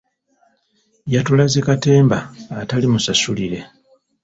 Yatulaze katemba atali musasulire.